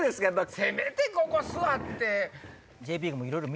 せめてここ座って。